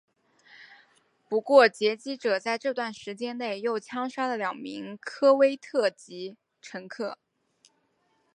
不过劫机者在这段时间内又枪杀了两名科威特籍乘客。